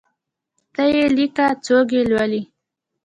ته یی لیکه څوک یي لولﺉ